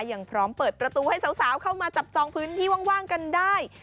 ยังพร้อมเปิดประตูให้สาวเข้ามาจับจองพื้นที่ว่างกันได้